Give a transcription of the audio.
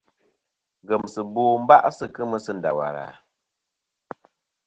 Ngemsɨbo ba'sɨ kemɨ sɨ Ndawara.